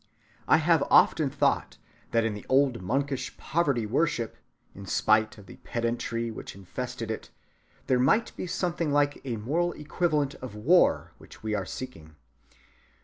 I have often thought that in the old monkish poverty‐worship, in spite of the pedantry which infested it, there might be something like that moral equivalent of war which we are seeking.